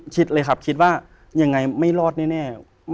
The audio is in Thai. คิดเลยครับคิดว่ายังไงไม่รอดแน่